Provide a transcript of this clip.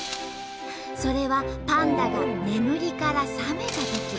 それはパンダが眠りから覚めたとき。